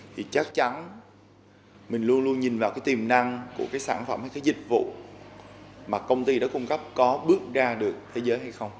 thì chắc chắn mình luôn luôn nhìn vào cái tiềm năng của cái sản phẩm hay cái dịch vụ mà công ty đã cung cấp có bước ra được thế giới hay không